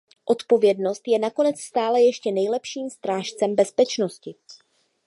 Odpovědnost je nakonec stále ještě nejlepším strážcem bezpečnosti.